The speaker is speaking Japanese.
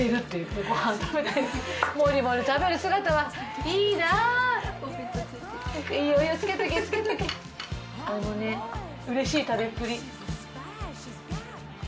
おイモねうれしい食べっぷり。